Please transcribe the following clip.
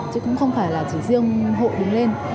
chứ cũng không phải là chỉ riêng hội đứng lên